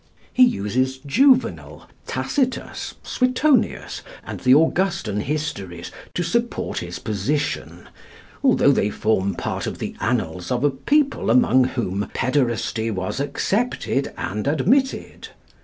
He uses Juvenal, Tacitus, Suetonius, and the Augustan Histories to support his position, although they form part of the annals of a people among whom "pæderasty was accepted and admitted."